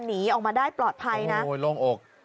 หนีออกมาได้ปลอดภัยนะโอ้ยโล่งอก